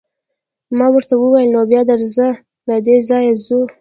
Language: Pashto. ما ورته وویل: نو بیا درځه، له دې ځایه ځو.